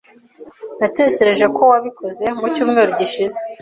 Natekereje ko wabikoze mucyumweru gishize.